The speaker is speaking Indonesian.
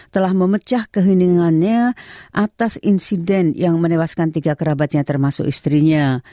telah memecah keheningannya atas insiden yang menewaskan tiga kerabatnya termasuk istrinya